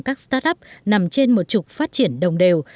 các start up nằm trên một trục phát triển đồng đều